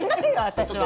私は！